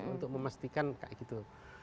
untuk memastikan seperti itu